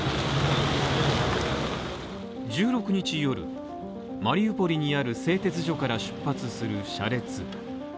１６日夜、マリウポリにある製鉄所から出発する車列